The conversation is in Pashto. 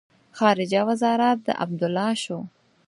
خارجه وزارت د عبدالله شو.